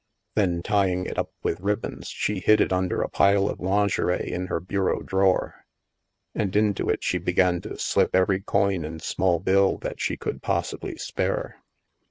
Then, ty ing it up with ribbons, she hid it under a pile of lin gerie in her bureau drawer. And into it she began to slip every coin and small bill that she could possibly spare.